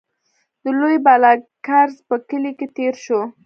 د لوی بالاکرز په کلي کې تېر شوو.